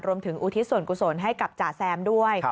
อุทิศส่วนกุศลให้กับจ๋าแซมด้วย